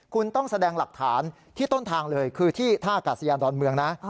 คุณต้องแสดงหลักฐานที่ต้นทางเลยคือที่ท่ากาศยานดอนเมืองนะ